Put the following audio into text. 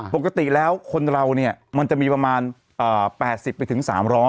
ปกติแล้วคนเราเนี่ยมันจะมีประมาณ๘๐ไปถึง๓๐๐